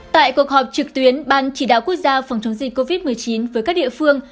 tại cuộc họp trực tuyến ban chỉ đạo quốc gia phòng chống dịch covid một mươi chín với các địa phương